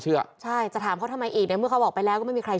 เชื่อถามเขาทำไมอีกเดี๋ยวเมื่อเขาบอกไปแล้วก็ไม่มีใคร